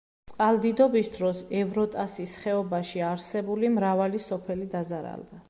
წყალდიდობის დროს ევროტასის ხეობაში არსებული მრავალი სოფელი დაზარალდა.